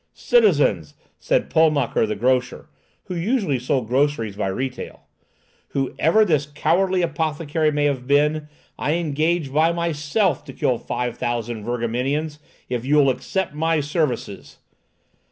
"Citizens," said Pulmacher the grocer, who usually sold groceries by retail, "whatever this cowardly apothecary may have said, I engage by myself to kill five thousand Virgamenians, if you will accept my services!"